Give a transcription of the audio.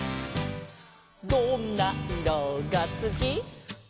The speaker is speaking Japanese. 「どんないろがすき」「」